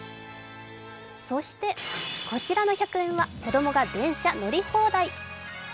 そして、こちらの１００円は子供が電車乗り放題。